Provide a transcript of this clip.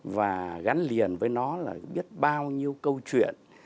và gắn liền với nó là biết bao nhiêu câu chuyện